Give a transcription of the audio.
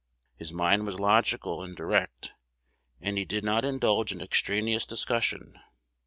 His mind was logical and direct, and he did not indulge in extraneous discussion.